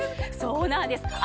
そうなんです！